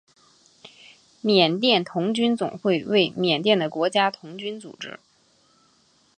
缅甸童军总会为缅甸的国家童军组织。